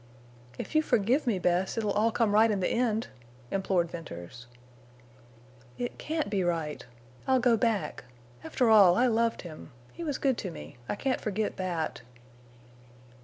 "If you forgive me, Bess, it'll all come right in the end!" implored Venters. "It can't be right. I'll go back. After all, I loved him. He was good to me. I can't forget that."